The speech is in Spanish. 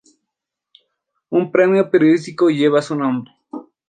Un premio periodístico lleva su nombre.